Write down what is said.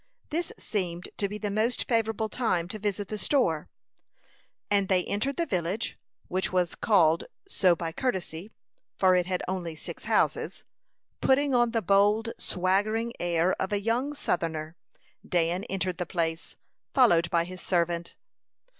This seemed to be the most favorable time to visit the store; and they entered the village, which was called so by courtesy, for it had only six houses. Putting on the bold, swaggering air of a young southerner, Dan entered the place, followed by his servant.